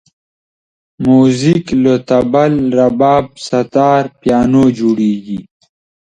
موزیک له طبل، رباب، ستار، پیانو جوړېږي.